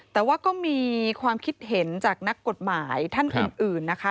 แต่ว่าก็มีความคิดเห็นจากนักกฎหมายท่านอื่นนะคะ